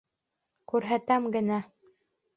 Күрһәтәм генә.